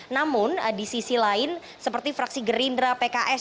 namun di sisi lain seperti fraksi gerindra pks